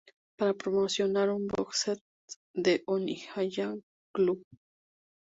Para promocionar un Boxset, de Onyanko Club.